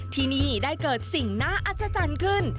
ที่นี่ได้เกิดสิ่งน่าอัศจรรย์ขึ้น